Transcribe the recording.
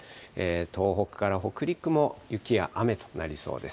東北から北陸も雪や雨となりそうです。